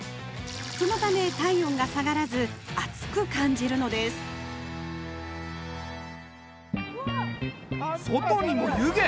そのため体温が下がらず暑く感じるのです外にも湯気！